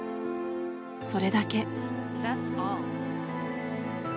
それだけ。